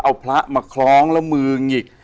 เอาพระมาคล้องแล้วมือหงิก